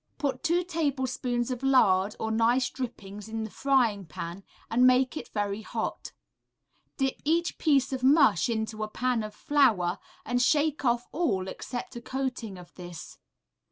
Put two tablespoons of lard or nice drippings in the frying pan, and make it very hot. Dip each piece of mush into a pan of flour, and shake off all except a coating of this.